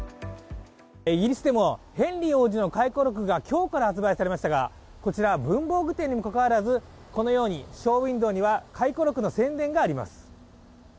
イギリスでもヘンリー王子の回顧録が今日から発売されましたがこちら文房具店にもかかわらず、このようにショーウインドーには回顧録の宣伝があります。